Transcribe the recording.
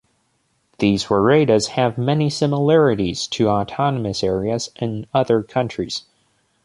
These "woredas" have many similarities to autonomous areas in other countries.